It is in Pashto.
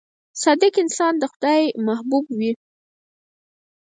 • صادق انسان د خدای محبوب وي.